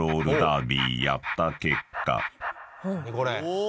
お！